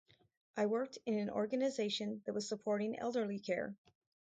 I worked in an organization that was supporting elderly care.